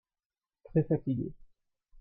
Très fatigué.